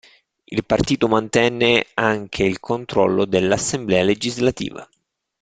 Il partito mantenne anche il controllo dell'assemblea legislativa.